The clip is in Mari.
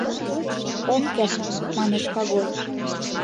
— Ом керт, — манеш Когой.